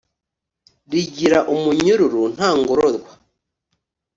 Rigira umunyururu nta ngororwa